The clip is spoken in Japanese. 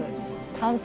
完成。